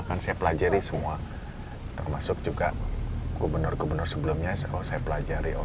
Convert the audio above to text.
akan saya pelajari semua termasuk juga gubernur gubernur sebelumnya saya pelajari